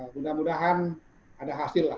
mudah mudahan ada hasil lah